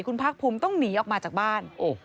คุณภาคภูมิต้องหนีออกมาจากบ้าน